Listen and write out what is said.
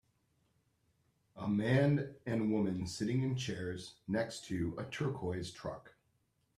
A man and woman sitting in chairs next to a turquoise truck.